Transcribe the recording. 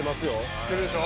知ってるでしょ？